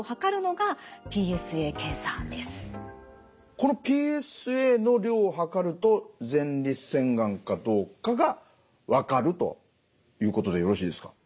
このＰＳＡの量を測ると前立腺がんかどうかが分かるということでよろしいですか？